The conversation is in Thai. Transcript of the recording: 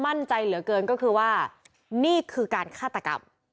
มั่นใจเหลือเกินก็คือว่านี่คือการฆาตกรรม